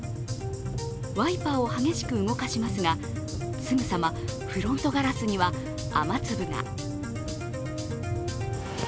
ワイパーを激しく動かしますがすぐさまフロントガラスには雨粒が。